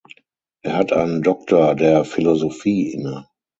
Er hat einen Doktor der Philosophie inne.